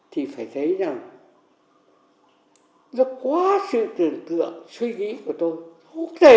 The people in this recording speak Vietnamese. thì phải thấy rằng nó quá sự tưởng tượng suy nghĩ của tôi